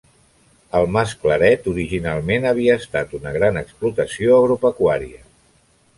El Mas Claret originalment havia estat una gran explotació agropecuària.